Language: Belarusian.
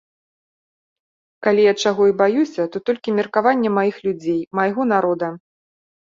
Калі я чаго і баюся, то толькі меркавання маіх людзей, майго народа.